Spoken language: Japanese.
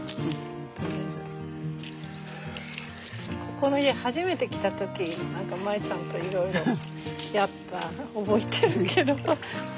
この家初めて来た時何かマエちゃんといろいろやった覚えてるけど。